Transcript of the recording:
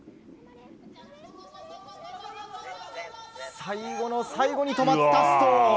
最後の最後に止まったストーン。